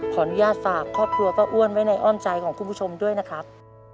ขออนุญาตฝากครอบครัวป้าอ้วนไว้ในอ้อมใจของคุณผู้ชมด้วยนะครับ